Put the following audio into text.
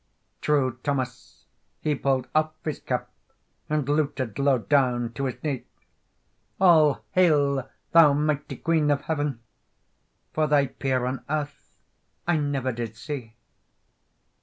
True Thomas he pulld aff his cap, And louted low down to his knee: "All hail, thou mighty Queen of Heaven! For thy peer on earth I never did see."